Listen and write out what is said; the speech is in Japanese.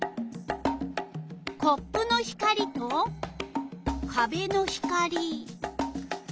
コップの光とかべの光。